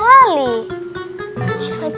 apa sih tadi